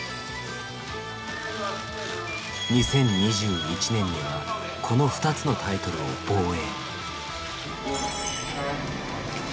２０２１年にはこの２つのタイトルを防衛。